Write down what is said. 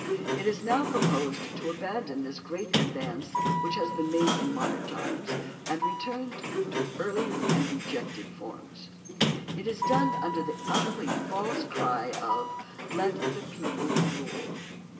It is now proposed to abandon this great advance THE BILL OF RIGHTS 115 which has been made in modern times and return to earHer and rejected forms. It is done under the utterly false cry of "Let the people mle."